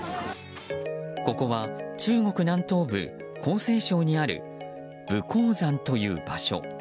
ここは中国南東部江西省にある武功山という場所。